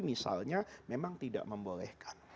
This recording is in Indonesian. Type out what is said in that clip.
misalnya memang tidak membolehkan